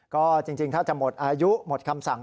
ก็จริงถ้าจะหมดอายุหมดคำสั่ง